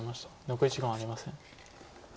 残り時間はありません。